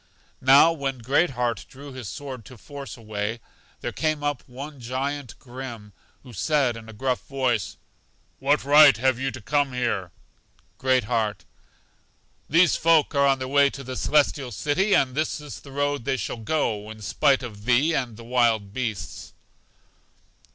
Now when Great heart drew his sword to force a way, there came up one Giant Grim, who said in a gruff voice, What right have you to come here? Great heart: These folk are on their way to The Celestial City, and this is the road they shall go, in spite of thee and the wild beasts.